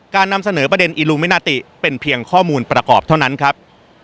นำเสนอประเด็นอิลูมินาติเป็นเพียงข้อมูลประกอบเท่านั้นครับ